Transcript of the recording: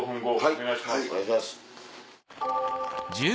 お願いします。